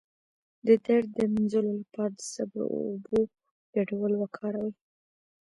د درد د مینځلو لپاره د صبر او اوبو ګډول وکاروئ